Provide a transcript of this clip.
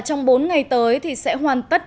trong bốn ngày tới thì sẽ hoàn tất